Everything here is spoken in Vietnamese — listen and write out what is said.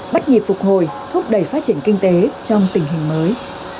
bắt nhịp phục hồi thúc đẩy phát triển kinh tế trong tình hình mới